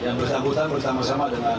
yang bersangkutan bersama sama dengan